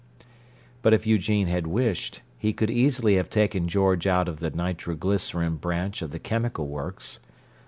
But if Eugene had wished, he could easily have taken George out of the nitroglycerin branch of the chemical works.